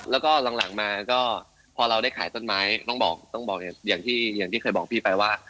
แล้วก็หลังมาก็พอเราได้ขายต้นไม้ต้องบอกต้องบอกอย่างที่เคยบอกพี่ไปว่า